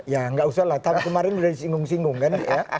ya nggak usah lah tapi kemarin udah disinggung singgung kan ya